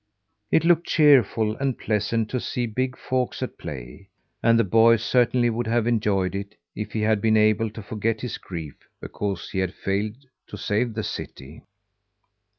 It looked cheerful and pleasant to see big folks at play; and the boy certainly would have enjoyed it, if he had been able to forget his grief because he had failed to save the city.